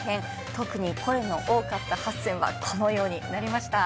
特に声の多かった８選はこのようになりました。